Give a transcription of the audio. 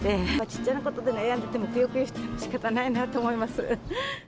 ちっちゃなことで悩んでても、くよくよしてもしかたないなと思います。